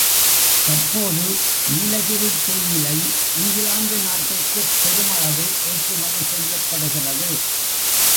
தற்போது, நீலகிரித் தேயிலை இங்கிலாந்து நாட்டிற்குப் பெரும் அளவு ஏற்றுமதி செய்யப்படுகிறது.